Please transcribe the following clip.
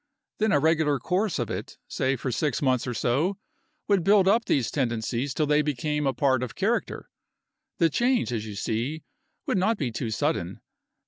Then a regular course of it say for six months or so would build up these tendencies till they became a part of character. The change, as you see, would not be too sudden.